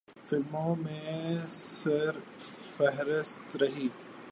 فلموں میں سرِ فہرست رہی۔